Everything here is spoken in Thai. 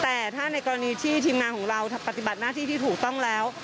แต่ถ้าในกรณีที่ทีมงานของเราปฏิบัติหน้าที่ที่ถูกต้องแล้ว